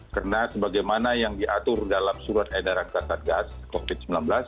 karena sebagaimana yang diatur dalam surat edaran kasatgas covid sembilan belas